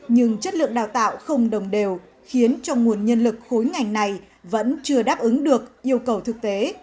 nhưng chất lượng đào tạo không đồng đều khiến cho nguồn nhân lực khối ngành này vẫn chưa đáp ứng được yêu cầu thực tế